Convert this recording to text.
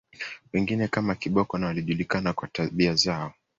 Wengine kama Kiboko na walijulikana kwa tabia zao